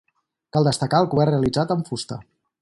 Cal destacar el cobert realitzat amb fusta.